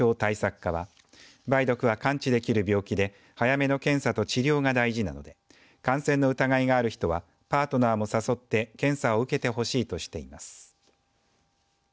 課は梅毒は完治できる病気で早めの検査と治療が大事なので感染の疑いがある人はパートナーも誘って検査を受けてほしいとしています。